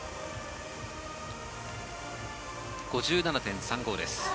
５７．３５です。